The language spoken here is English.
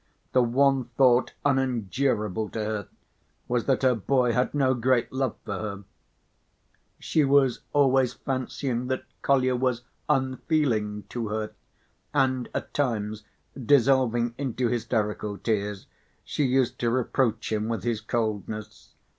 The one thought unendurable to her was that her boy had no great love for her. She was always fancying that Kolya was "unfeeling" to her, and at times, dissolving into hysterical tears, she used to reproach him with his coldness.